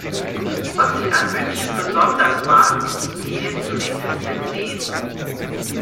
Was ich an München besonders mag, ist die Nähe zu den vielen Seen.